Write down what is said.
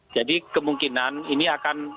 jadi kemungkinan ini akan